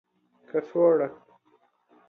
کڅوړه